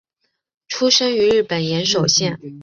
出身于日本岩手县。